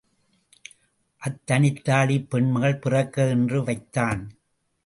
அத்தனித்தாழி பெண்மகள் பிறக்க என்று வைத்தான்.